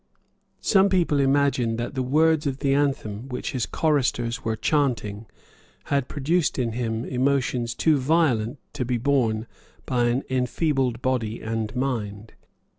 Some people imagined that the words of the anthem which his choristers were chanting had produced in him emotions too violent to be borne by an enfeebled body and mind.